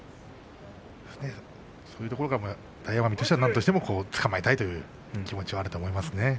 そういうところが大奄美としては何としてもつかまえたい気持ちがあると思います。